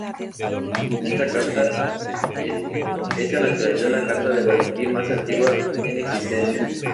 Esta carta es en la actualidad, la carta de Valentín más antigua en existencia.